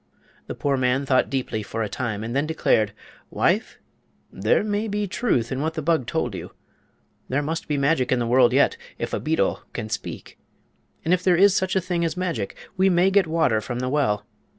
The poor man thought deeply for a time, and then declared: "Wife, there may be truth in what the bug told you. There must be magic in the world yet, if a beetle can speak; and if there is such a thing as magic we may get water from the well.